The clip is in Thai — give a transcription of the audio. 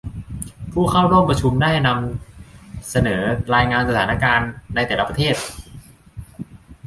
ผู้เข้าร่วมประชุมได้นำนำเสนอรายงานสถานการณ์ในแต่ละประเทศ